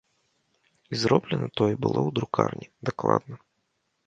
І зроблена тое было ў друкарні, дакладна.